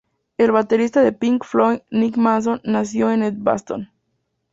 El baterista de Pink Floyd Nick Mason nació en Edgbaston.